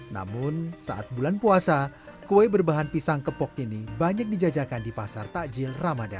namun saat bulan puasa kue berbahan pisang kepok ini banyak dijajakan di pasar takjil ramadan